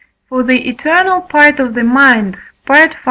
For the eternal part of the mind (V.